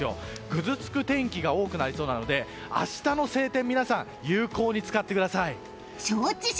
ぐずつく天気が多くなりそうなので明日の晴天皆さん、有効に使ってください。